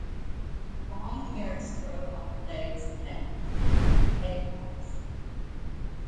Long hairs grow on the legs and pedipalps.